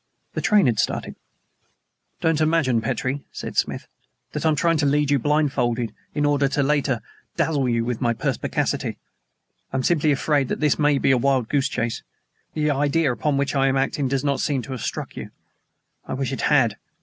The train having started: "Don't imagine, Petrie," said Smith "that I am trying to lead you blindfolded in order later to dazzle you with my perspicacity. I am simply afraid that this may be a wild goose chase. The idea upon which I am acting does not seem to have struck you. I wish it had.